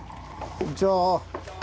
こんにちは。